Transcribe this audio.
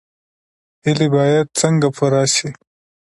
هیلې باید څنګه پوره شي؟